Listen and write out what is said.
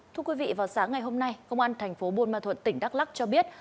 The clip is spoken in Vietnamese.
thưa quý vị vào sáng ngày hôm nay công an thành phố buôn ma thuận tỉnh đắk lắc cho biết